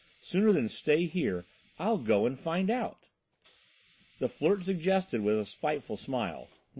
Sooner than stay here, I'll go and find out." The Flirt suggested, with a spiteful smile.